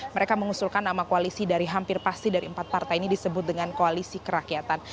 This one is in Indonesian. mereka mengusulkan nama koalisi dari hampir pasti dari empat partai ini disebut dengan koalisi kerakyatan